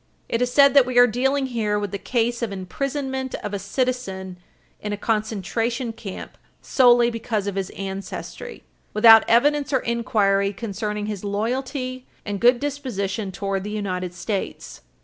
It is said that we are dealing here with the case of imprisonment of a citizen in a concentration camp solely because of his ancestry, without evidence or inquiry concerning his loyalty and good disposition towards the United States.